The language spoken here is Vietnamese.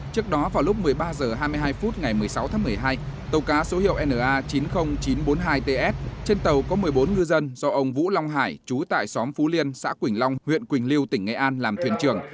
trước đó vào lúc một mươi ba h hai mươi hai phút ngày một mươi sáu tháng một mươi hai tàu cá số hiệu na chín mươi nghìn chín trăm bốn mươi hai ts trên tàu có một mươi bốn ngư dân do ông vũ long hải chú tại xóm phú liên xã quỳnh long huyện quỳnh lưu tỉnh nghệ an làm thuyền trưởng